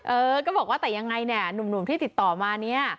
เออก็บอกว่าแต่ยังไงเนี่ยหนุ่มที่ติดต่อมาเนี่ย